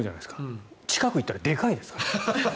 でも近くに行ったらでかいですからね。